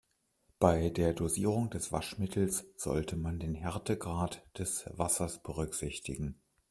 Bei der Dosierung des Waschmittels sollte man den Härtegrad des Wassers berücksichtigen.